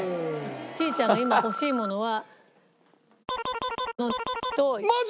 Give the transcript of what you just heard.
「ちいちゃんがいまほしいものは」。